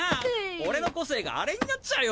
俺の個性がアレになっちゃうよ